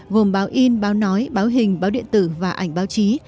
gồm báo in báo nói báo hình báo điện tử và ảnh báo chí